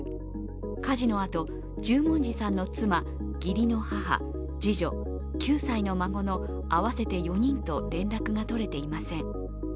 火事のあと、十文字さんの妻、義理の母、次女、９歳の孫の合わせて４人と連絡が取れていません。